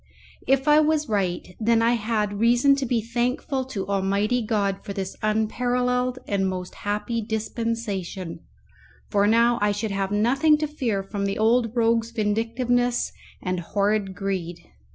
If I was right, then I had reason to be thankful to Almighty God for this unparalleled and most happy dispensation, for now I should have nothing to fear from the old rogue's vindictiveness and horrid greed.